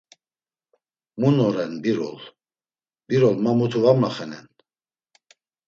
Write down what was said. -Mu noren Birol, Birol ma mutu varmaxenen.